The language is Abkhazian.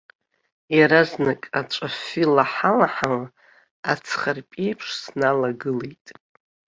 Иаразнак аҵәа афҩы лаҳа-лаҳауа, ацхарпеиԥш сналагылт.